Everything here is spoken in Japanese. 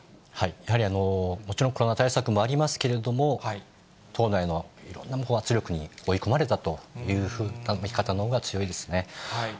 やはりもちろん、コロナ対策もありますけれども、党内のいろんな圧力に追い込まれたという見方のほうが強いですね。